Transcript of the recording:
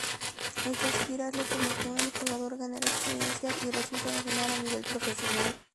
Estas giras le permitieron al jugador ganar experiencia y roce internacional a nivel profesional.